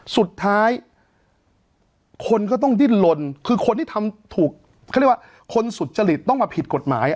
สุดท้ายคนก็ต้องดิ้นลนคือคนที่ทำถูกเขาเรียกว่าคนสุจริตต้องมาผิดกฎหมาย